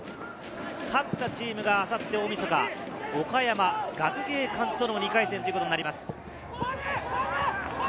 勝ったチームが明後日、大みそか、岡山学芸館との２回戦となります。